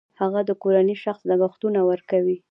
هغه د کورنۍ شخصي لګښتونه ورکوي